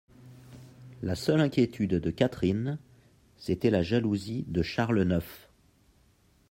La seule inquiétude de Catherine, c'était la jalousie de Charles neuf.